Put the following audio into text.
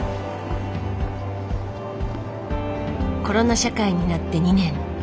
コロナ社会になって２年。